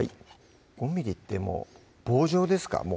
５ｍｍってもう棒状ですか？